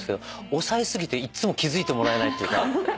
抑え過ぎていっつも気付いてもらえないっていうか。